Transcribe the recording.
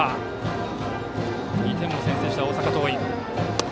２点を先制した大阪桐蔭。